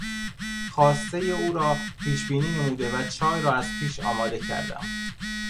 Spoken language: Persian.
خواستهی او را پیش بینی نموده و چای را از پیش آماده کردم.